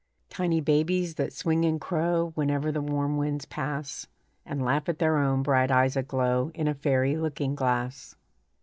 Tiny babes that swing and crow Whenever the warm winds pass, And laugh at their own bright eyes aglow In a fairy looking glass.